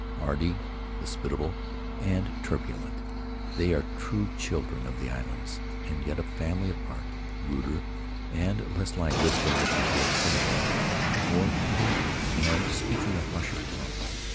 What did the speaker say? Hardy, hospitable, and turbulent, they are true children of the islands, and yet a family apart — ruder and less languid than the people of Samoa or Tahiti, and speaking a harsher tongue.